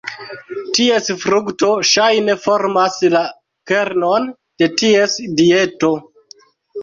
Ties frukto ŝajne formas la kernon de ties dieto.